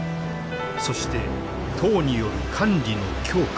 そして党による管理の強化。